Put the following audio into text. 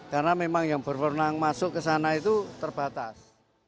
karena memang yang berperenang masuk ke sana itu terbatas